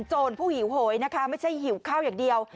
ผู้หิวโหยนะคะไม่ใช่หิวข้าวอย่างเดียว